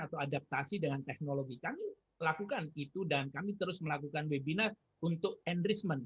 atau adaptasi dengan teknologi kami lakukan itu dan kami terus melakukan webina untuk enrichment